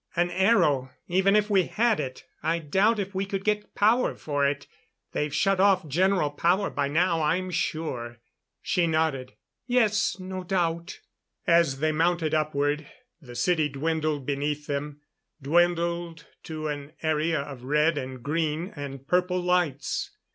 An aero even if we had it I doubt if we could get power for it. They've shut off general power by now, I'm sure." She nodded. "Yes no doubt." As they mounted upward, the city dwindled beneath them dwindled to an area of red and green and purple lights.